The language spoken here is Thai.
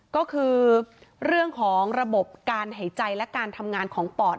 ก็คือเรื่องของระบบการหายใจและการทำงานของปอด